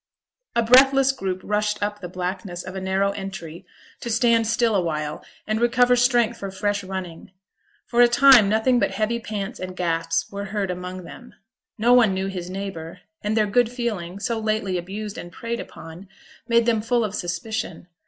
A breathless group rushed up the blackness of a narrow entry to stand still awhile, and recover strength for fresh running. For a time nothing but heavy pants and gasps were heard amongst them. No one knew his neighbour, and their good feeling, so lately abused and preyed upon, made them full of suspicion.